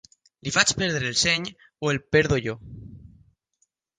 Li faig perdre el seny o el perdo jo.